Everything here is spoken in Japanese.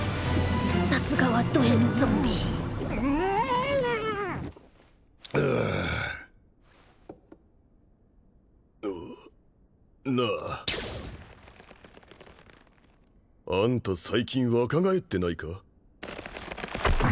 さすがはドＭゾンビああなああんた最近若返ってないか？